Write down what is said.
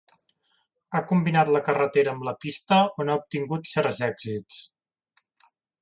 Ha combinat la carretera amb la pista on ha obtingut certs èxits.